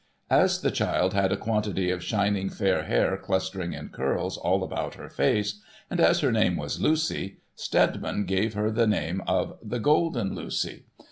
As the child had a quantity of shining fair hair, clustering in curls all about her face, and as her name was Lucy, Steadiman gave her the name of the Golden Lucy.